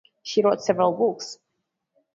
She wrote several books.